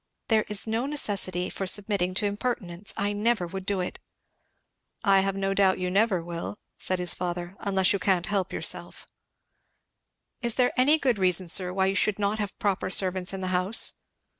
"There is no necessity for submitting to impertinence. I never would do it." "I have no doubt you never will," said his father. "Unless you can't help yourself." "Is there any good reason, sir, why you should not have proper servants in the house?"